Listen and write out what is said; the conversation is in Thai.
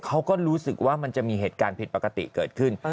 เขาก็รู้สึกว่ามันจะมีเหตุการณ์ผิดปกติเกิดขึ้น